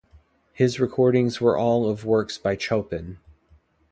His recordings were all of works by Chopin.